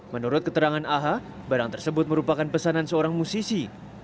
menurut keterangan ah barang tersebut merupakan pesanan seorang musisi